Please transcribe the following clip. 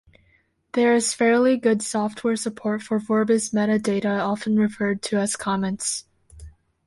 There is fairly good software support for Vorbis metadata-often referred to as comments.